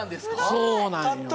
そうなんよ。